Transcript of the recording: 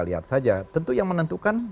lihat saja tentu yang menentukan